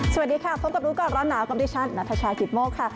สวัสดีค่ะพบกับรู้ก่อนร้อนหนาวกับดิฉันนัทชายกิตโมกค่ะ